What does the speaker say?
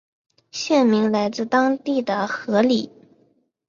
县名来自当地的河狸。